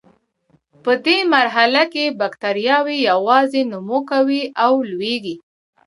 په دې مرحله کې بکټریاوې یوازې نمو کوي او لویږي.